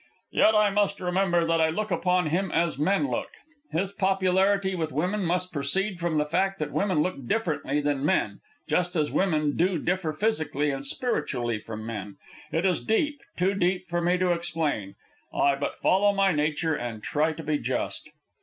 "Yet I must remember that I look upon him as men look. His popularity with women must proceed from the fact that women look differently than men, just as women do differ physically and spiritually from men. It is deep, too deep for me to explain. I but follow my nature and try to be just."